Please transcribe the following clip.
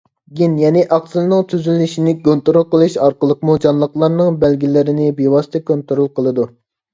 گېن يەنە ئاقسىلنىڭ تۈزۈلۈشىنى كونترول قىلىش ئارقىلىقمۇ جانلىقلارنىڭ بەلگىلىرىنى بىۋاسىتە كونترول قىلىدۇ.